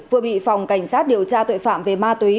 vừa bị phòng cảnh sát điều tra tội phạm về ma túy